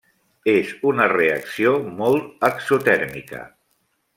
És una reacció molt exotèrmica.